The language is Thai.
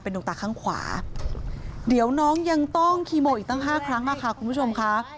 ดวงตาข้างขวาเดี๋ยวน้องยังต้องคีโมอีกตั้ง๕ครั้งอะค่ะคุณผู้ชมค่ะ